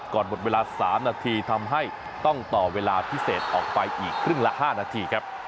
หมดเวลา๓นาทีทำให้ต้องต่อเวลาพิเศษออกไปอีกครึ่งละ๕นาทีครับ